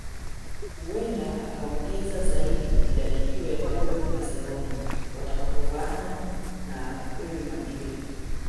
Huenda akaongeza zaidi idadi hiyo ya magoli Barcelona watakapovaana na Real Madrid